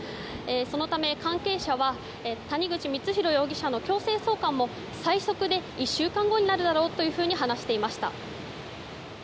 そのため関係者は谷口光弘容疑者の強制送還も最速で１週間後になるだろうと話していました。